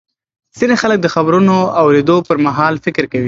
ځینې خلک د خبرونو اورېدو پر مهال فکر کوي.